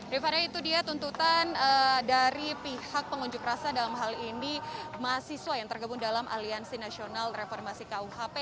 rifana itu dia tuntutan dari pihak pengunjuk rasa dalam hal ini mahasiswa yang tergabung dalam aliansi nasional reformasi kuhp